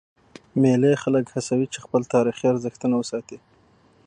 مېلې خلک هڅوي، چي خپل تاریخي ارزښتونه وساتي.